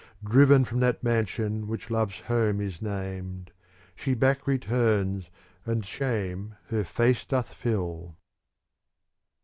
Driven from that mansion which Love's home is named. She back returns and shame her face doth fill.